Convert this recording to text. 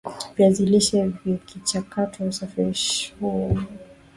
viazi lishe vikichakatwa usafirishajihuwa rahisi